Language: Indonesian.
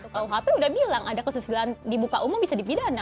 kalau hp sudah bilang ada kesusahan di buka umum bisa dipidana